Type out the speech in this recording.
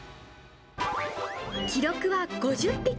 記録は５０匹。